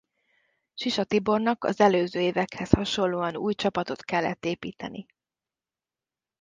Sisa Tibornak az előző évekhez hasonlóan új csapatot kellett építeni.